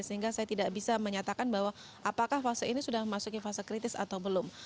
sehingga saya tidak bisa menyatakan bahwa apakah fase ini sudah memasuki fase kritis atau belum